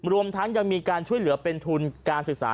รวมทั้งยังมีการช่วยเหลือเป็นทุนการศึกษา